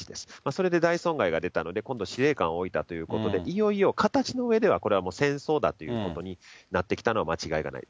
それで大損害が出たので、今度、司令官を置いたということで、いよいよ形のうえでは、これはもう戦争だということになってきたのは間違いがない。